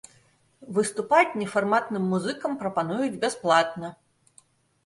Выступаць нефарматным музыкам прапануюць бясплатна.